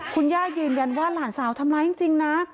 คุณย่ายืนยันว่าหลานสาวทำร้ายจริงนะ